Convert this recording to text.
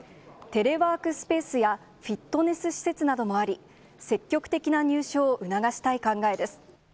テレワークスペースやフィットネス施設などもあり、積極的な入所を促したい考えです。